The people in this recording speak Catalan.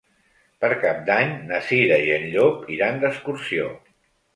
Per Cap d'Any na Cira i en Llop iran d'excursió.